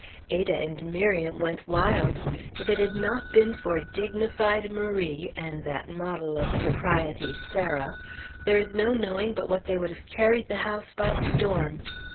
Ada and Miriam went wild. If it had not been for dignified Marie, and that model of propriety, Sarah, there is no knowing but what they would have carried the house by storm.